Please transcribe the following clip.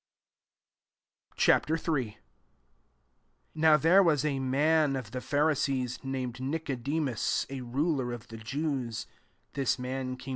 Ch. III. 1 Now there was a man of the Pharisees, named Nicodemus, a ruler of the Jews: 2 this man came X.